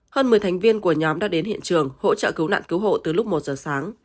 hơn một mươi thành viên của nhóm đã đến hiện trường hỗ trợ cứu nạn cứu hộ từ lúc một giờ sáng